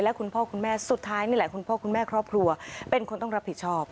และคุณพ่อคุณแม่สุดท้ายนี่แหละคุณพ่อคุณแม่ครอบครัวเป็นคนต้องรับผิดชอบ